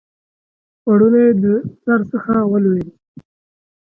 پوړنی یې د سر څخه ولوېدی